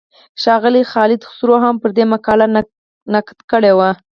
ښاغلي خالد خسرو هم پر دې مقاله نقد کړی و.